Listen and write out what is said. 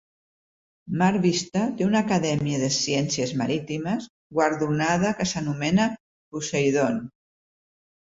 Mar Vista té una Acadèmia de Ciències Marítimes guardonada que s"anomena Poseidon.